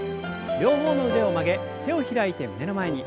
両方の腕を曲げ手を開いて胸の前に。